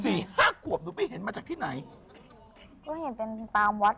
ห้าขวบหนูไปเห็นมาจากที่ไหนก็เห็นเป็นตามวัด